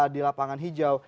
di lapangan hijau